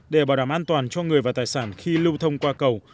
để bảo đảm an toàn cho người và tài sản khi lưu thông qua cầu